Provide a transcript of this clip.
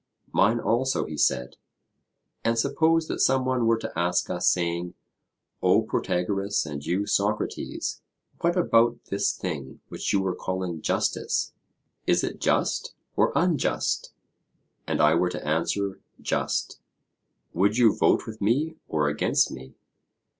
Mine also, he said. And suppose that some one were to ask us, saying, 'O Protagoras, and you, Socrates, what about this thing which you were calling justice, is it just or unjust?' and I were to answer, just: would you vote with me or against me?